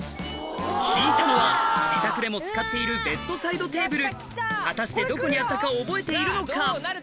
引いたのは自宅でも使っている果たしてどこにあったか覚えているのか？